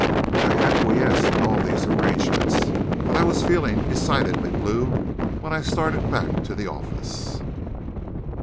I acquiesced in all these arrangements, but I was feeling decidedly blue when I started back to the office.